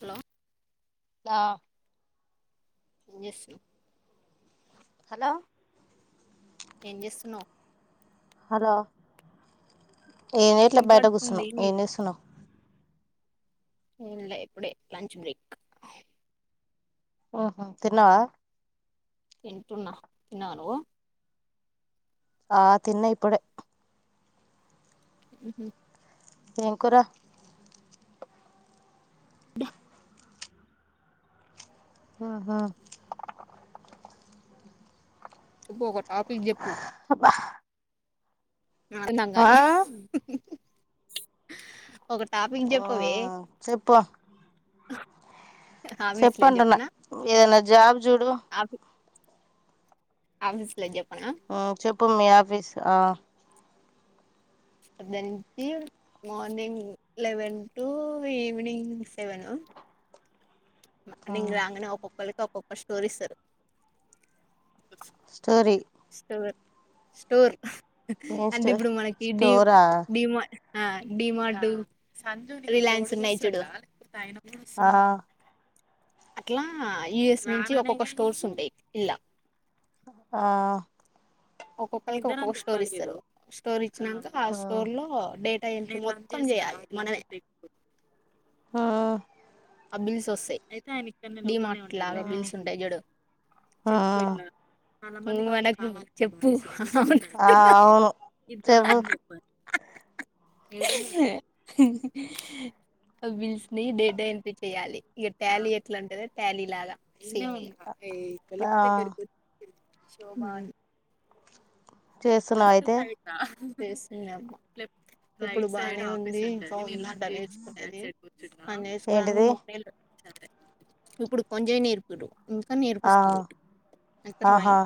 hello ద just hello ఏం చేస్తున్నావ్ హలో ఏనేట్లే బయట వినపడుతుంది కూర్స్తుున్నాం ఏం వేస్తున్నాం లా ఇప్పుడే లంచ్ బ్రేక్ ఉ తిన్నావా తింటున్నా తిన్నావా నువ్వు ఆ తిన్న ఇప్పుడ ఉ దేవకురా బాహా చెప్పు ఒక టాపిక్ చెప్పు అబ్బా ఆ నాదినంగాని ఒక టాపిక్ చెప్పవే ఉమ్ చెప్పు ఆఫీస్ లో చెప్పంటున్న చెప్పనా ఏదనా జాబ్ జూడు ఆఫిస్ ఉమ్ చెప్పు మీ ఆఫీస్ ఆ morning eleven to evening seven morning ఉమ్ రాంగ్నే ఒక్కొక్కళకి ఒక్కొక్క స్టోరీ ఇస్తరు స్టోరి స్టోర్ ఏం అంటే స్టో ఇప్పుడు మనకి డీ స్టోరా డీమా ఆ డీ మాటు రిలయన్స్ ఉనై చూడు ఆ సున్ అట్లా యు ఎస్ నుంచి ఒక్కొక్క స్టోర్స్ ఉంటాయి ఇల్ల ఆ ఒక్కొక్కళకి ఒక్కొక్క స్టోర్ ఇస్తరు స్టోర్ ఇచ్చినంక ఆ ఉమ్ స్టోర్ లో డే ట ఎంట్రి మొత్తం జెయ్యాలి మనమే ఉమ్ అ బిల్స్ వస్తాయి డీ మాట్ ఇట్లాగా ఉమ్ బిల్స్ ఉంటాయి జూడు ఉమ్ ము అనకు చెప్పు ఆ అవును చెప్పు ఇద్దరనని చెప్ప అ బిల్స్ ని డేటా చెయ్యాలి ఇక ట్యాలీ ఎట్లంటదే ట్యాలీ లాగా ఈన్నే ఉంటా ఈ కలిక్ ఆ దగ్గిర్కొచ్చి షోబాన్ చేస్తున్నావు లెఫ్ట్ అయితే సైటా లెఫ్ట్ ఇప్పుడు బానే ఉంది ఇంకా ఉన్న అడ్డలు చేయిచుకునేది పని చేసుకోడానికి ఏంటిది మూడేలు ఇప్పుడు కొంజే నీర్కుడు ఇంకా ఆ నేర్పిస్తురు అక్కరవాయ్ ఆహా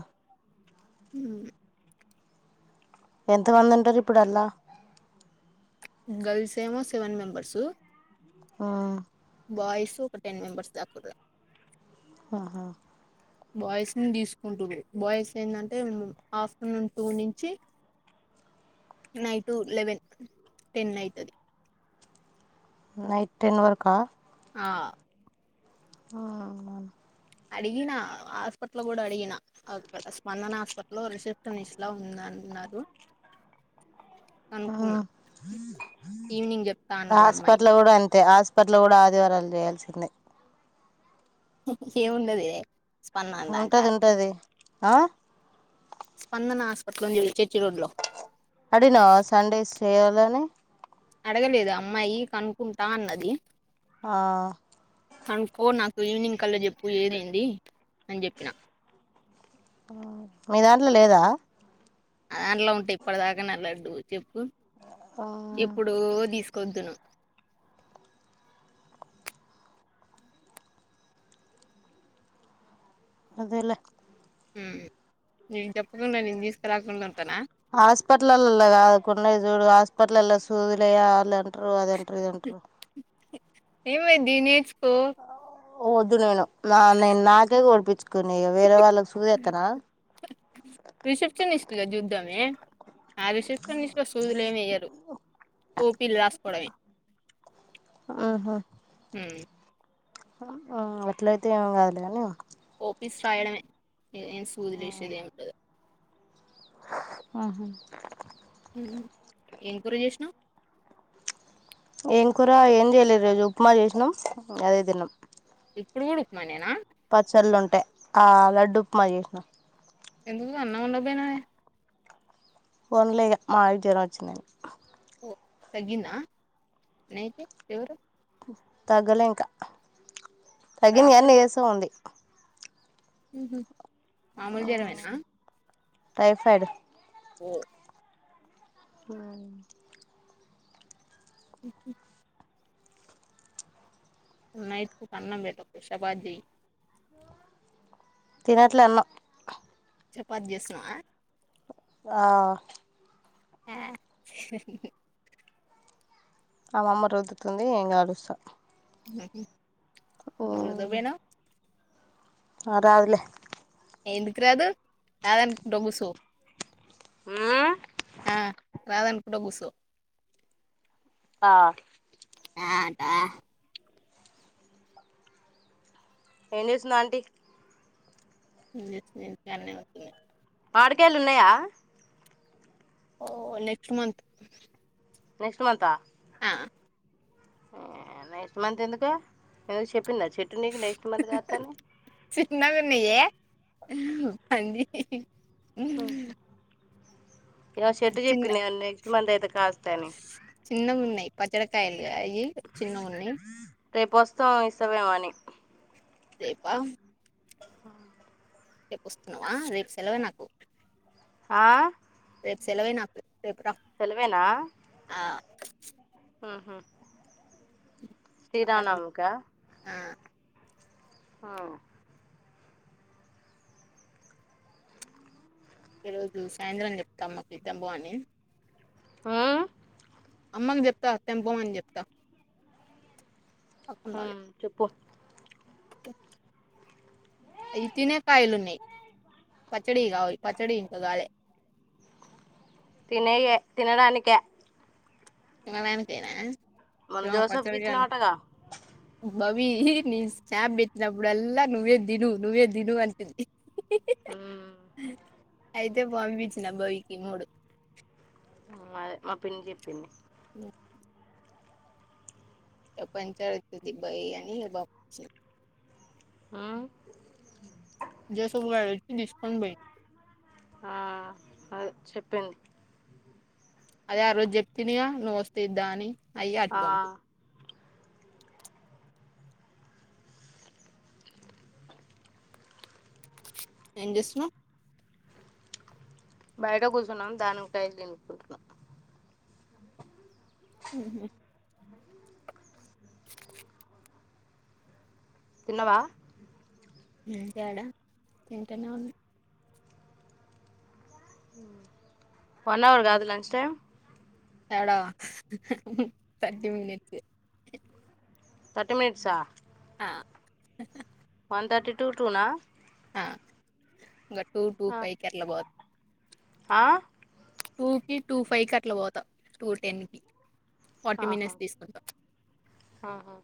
ఎంతమంది ఉంటారు ఇప్పుడల్లా గల్స్ ఏమో సెవెన్ మెంబర్సు ఆ బాయిస్ ఒక టెన్ మెంబర్స్ దాకురు ఆహా బాయ్స్ ని తీసుకుంటుర్రు బాయ్స్ ఏంటంటే ఆఫ్టర్నూన్ టూ నుంచి నైటు లెవెన్ టెన్ అయితది నైట్ టెన్ వరకా ఆ ఆ అవునవున్ అడిగినా హాస్పిటలో గుడా అడిగిన అక్కడ స్పందన హాస్పిటలో రిసెప్షనిస్ట్ లా ఉందన్ ఉన్నారు ఈవినింగ్ చెప్తా ఆ అన్నది అమ్మాయి హాస్పట్ల గుడ అన్ తే హాస్పిట్ల గుడా ఆదివారాల్ జెయాల్సిందే ఏం ఉన్నదే ఉంటదుంటది ఆ స్పందన హాస్పట్లోనే చూయించు అడిగినవా సండేస్ చేయాలని అడగలేదు అమ్మాయి కనుక్కుంటా అన్నది ఆ కనుక్కో నాకు ఈవినింగ్ కల్లా చెప్పు ఏదైంది అని జెప్పిన మీ దాంట్లో లేదా నా దాంట్లో ఉంటె ఇప్పటి దాకనా లడ్డూ చెప్పు ఎప్పుడో దీస్ కొద్దును అదెలే ఉమ్ నేను చెప్పకుండా నేను తీసుకురాకుండా ఉంటానా హాస్పిటలల్ల కాదు కొన్నయ్ చూడు హాస్పిటలల్ల సూదులయ ఆళ్ళంట్రు అదే ట్రు ఇదంట్రు ఏమైద్ది నేర్చుకో వద్దు నేను నా నేను నాకే కొనిపించు కునే ఇగ వేరే వాళ్ళక్ సూదేత్తనా రిసెప్షనిస్ట్ గా చూద్దామే ఆ రిస్ట్పిటి లు సూదులు ఏమేయ్యారు ఓపిలు రాసుకోడమే ఆహా ఉమ్ ఉమ్ అట్లయితే ఏం గాదులే గనీ ఓపీస్ రాయడమే సూదిలు వేషేదే ముండదు అహ ఏంకుర చేసినవ్ ఏం కూర ఏం చేయలేదు రోజు ఉప్మా చేసినం అదే తిన్నాం ఇప్పుడు కూడ ఉప్మా నేనా పచ్చళ్ళు ఉంటై ఆ లడ్డు ఉప్మా చేసినా ఎందుకు అన్నం వండపొయినవే వన్డలే ఇగ మాయనకి జ్వరం వచ్చిందని ఓ తగ్గిందా నీకు ఫీవరు తగ్గలే ఇంకా మరి తగ్గింది కాని నీరసం ఉంది ఊహు మామూలు జ్వరమేనా టైఫైడ్ ఓ మ్ నైట్ పూట అన్నం పెట్టకు షపాత్ జెయ్ తినట్లే అన్నం చపాత్ జేస్తున్నవా ఆ ఆ హ్ హు హ్ ఆ మమ్మ రొద్దుతుంది నేన్ కాలుస్తా నువ్ రుద్దపొయినవ్ అ రాదులే ఎందుకు రాదు రాదనుకుంట కూసో ఉమ్ ఆ రాద అని కూడా కుర్సో ఆ ఎమంటా ఏం చేస్తుంద ఆంటీ ఇ [inaudible] మాడికాయలు ఉన్నాయా ఓ నెక్స్ట్ మంత్ నెక్స్ట్ మంతా ఆ నెక్స్ట్ మంత్ ఎందుకు ఎందుకు చెప్పిందా చెట్టు నీకు నెక్స్ట్ మంత్ కాస్తానీ ఉన్నగాన్నా ఏ పంది ఇగా చెట్టు చిన్న చెప్పిందా నెక్స్ట్ మంత్ అయితే కాస్తానీ చిన్నగున్నయి పచ్చడికాయలు అవి చిన్నగున్నియి రేపు వస్తాం ఇస్తమేమని రేప ఆ రేప్పొస్తున్నావా రేపు సెలవే నాకు ఆ సెలవే నాకు రేపు రా సెలవేనా ఆహా ఆ శ్రీరామనవమిక ఆ ఈ రోజు సాయంత్రం చెప్తాం మాకు ఇతంబో అని ఆ అమ్మకు చెప్త అతం బొమని చెప్తా ఆ తప్పకుండా చెప్పు అవి తినే కాయలున్నాయి పచ్చడి కావు పచ్చడి ఇంక గాలే తినేయే తినడానికే మా నానాకేనా మన జోసఫ్ కిచ్చిన వటగా బబీ నీ స్నాప్ పెట్టినప్పుడలా నువ్వే దిను నువ్వే దిను అంతద్ది ఆ అయితే బంపించిన బాబీకి మూడు మా దే మా పిన్ని చెప్పింది [inaudible] పెంచాలి [unintelligible] ఆ జసబ్బ గడచ్చ తీస్కౌన్ బయి ఆ అ చెప్పింది అదే ఆ రోజు చెప్పిందిగా నువ్వు వస్తేయిద్దా అని అయి అటు ఆ దంపి ఏంచేస్తున్నావ్ బయట కూర్చున్నాం దానిమకాయలు తినుకుంటున్నాం ఉహుం తన్నవా తడా తింటనే ఉన్నా వన్ అవర్ కాదు లంచ్ టైం ఎడా థర్టీ మినట్స్ థర్టీ మినిట్స్ ఆ [inaudible] వన్ తర్టీ టూ టూనా ఇకా టూ టూ ఫైవ్ కేరళ బద్ ఆ టూ కి టూ ఫైవ్ కి అట్లా పోతా టూ టెన్ కి ఫార్టీ ఆహా మినిట్స్ తీసుకుంటాం ఆహా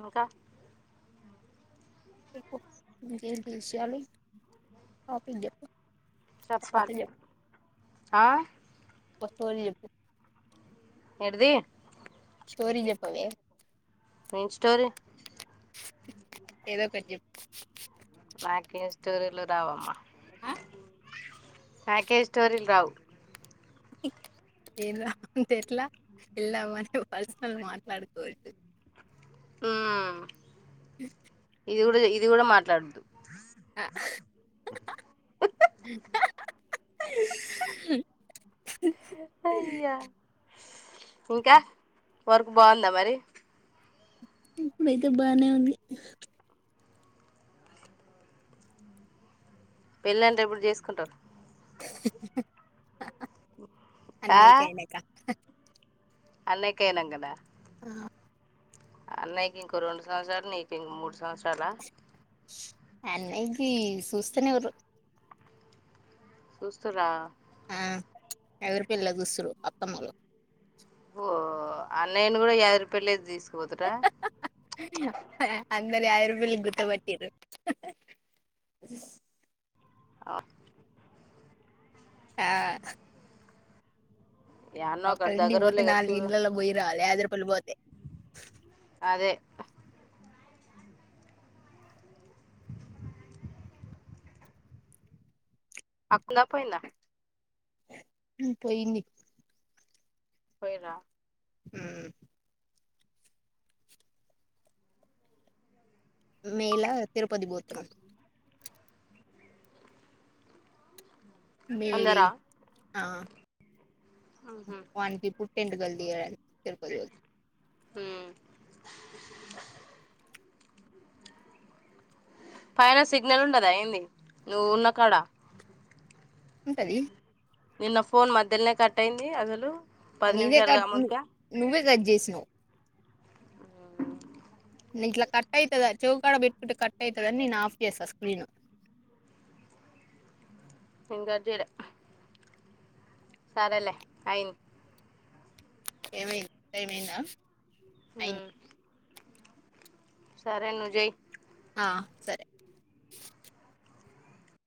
ఇంకా [inaudible] చాలి టాపిక్ చెప్పు ఒక కథ చెప్పాలి చెప్పు ఆ ఒక స్టోరీ చెప్పు ఏటిది స్టోరీ చెప్పవే ఏం స్టోరీ ఏదోకటి చెప్ నాకే స్టోరీలు రావమ్మా నాకేం స్టోరిల్ రావు ఇ ఏంది రావ్ అంటే ఎట్లా పెళ్ళి అవ్వని పర్సనల్ మాట్లాడుకోవచ్చు మ్ ఇది కూడా ఇది కూడా మాట్లాడద్దు ఆ హ హా ఇంకా వర్క్ బాగుందా మరి ఇప్పుడయితే బానే ఉంది పెళ్ళంట ఎప్పుడు చేసుకుంటావ్ అన్నయ్య కి అయినాకా అన్నయ్య కి అయినంకన ఆ అన్నయకి ఇంకో రెండు సంవత్సరాలు నీకు ఇం మూడు సంవత్సరాల అన్నయ్య గి సూస్తనేవరు సుస్తుర్రా ఆ ఎవరి పిల్ల చుసురు అత్తమ్మలు ఓ అన్నయ్యని కూడా యా రూపాయలేదు తీసుకు అందురు యారు లి గుత్తపట్టిరు అ ఆ అ యాన్నో ఓకలి ఒకరు ఇంటి కి పోతే దగ్గరోళ్ళే కదా నాలుగు చూడు ఇంలలో పోయిరాలి యాద రూపలి పోతే అదే అక్క ఉందా పోయిందా మ్ పోయింది పోయిరా మ్ మే ల తిరుపతి పోతున్నాం అందరా ఆ ఉహు వానికి పుట్టెంటుకులు [unintelligible] మ్మ్ పైన సిగ్నల్ ఉండద ఏంది నువ్వు ఉన్నా కాడ ఉంటది నిన్న ఫోన్ మధ్యలనే కట్ అయింది అసలు పది నీవే నిమిషాలు కట్ ను కాముందుకే నువ్వే కట్ చేసినవ్ ఆ నింట్లా కట్ అయితదా చౌకాడ పెట్టుకుంటే కట్ అయితదని నేను ఆఫ్ చేసా స్క్రీను నెన్ కట్ చేయల సరేలే అయింది ఏమై టైమ్ అయిందా ఉమ్ సరే ను జే ఆ సరే